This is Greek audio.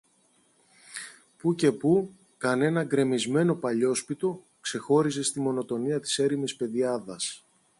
Πού και πού, κανένα γκρεμισμένο παλιόσπιτο ξεχώριζε στη μονοτονία της έρημης πεδιάδας.